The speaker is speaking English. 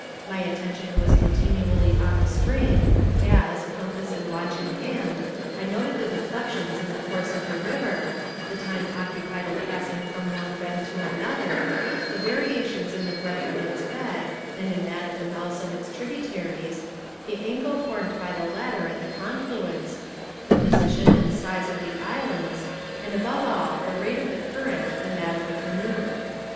My attention was continually on the strain as, compass and watch in hand, I noted the deflexions in the course of the river, the time occupied in passing from one bend to another, the variations in the breadth of its bed and in that of the mouths of its tributaries, the angle formed by the latter at the confluence, the position and size of the islands, and above all the rate of the current and that of the canoe.